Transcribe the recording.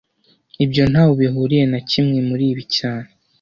Ibyo ntaho bihuriye na kimwe muribi cyane